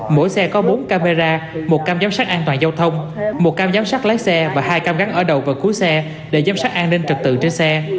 mỗi xe có bốn camera một cam giám sát an toàn giao thông một cam giám sát lái xe và hai cam gắn ở đầu vào cuối xe để giám sát an ninh trật tự trên xe